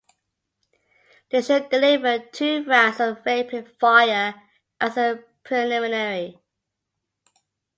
They should deliver two rounds of rapid fire as a preliminary.